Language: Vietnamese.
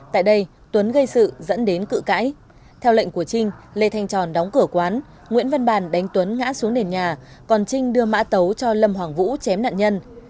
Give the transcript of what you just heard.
tại đây tuấn gây sự dẫn đến cự cãi theo lệnh của trinh lê thanh tròn đóng cửa quán nguyễn văn bàn đánh tuấn ngã xuống nền nhà còn trinh đưa mã tấu cho lâm hoàng vũ chém nạn nhân